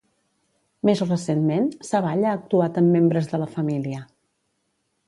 Més recentment, Savall ha actuat amb membres de la família.